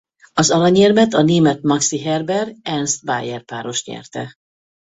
Az aranyérmet a német Maxi Herber–Ernst Baier-páros nyerte.